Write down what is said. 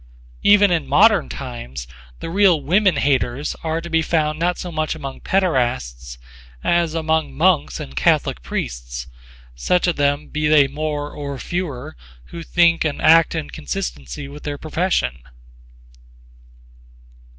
Even in modern times the real womenhaters are to be found not so much among paederasts, as among monks and catholic priests, such of them, be they more or fewer, who think and act in consistency with their profession.